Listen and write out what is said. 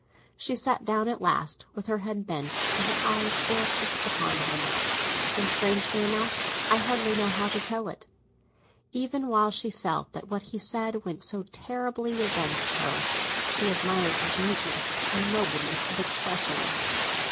She sat down at last, with her head bent and her eyes still fixed upon him; and strangely enough—I hardly know how to tell it—even while she felt that what he said went so terribly against her, she admired his neatness and nobleness of expression.